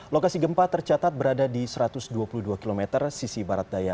lokasi gempa tercatat berada di satu ratus dua puluh dua km sisi barat daya